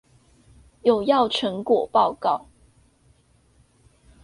有要成果報告